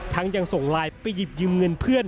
ยังส่งไลน์ไปหยิบยืมเงินเพื่อน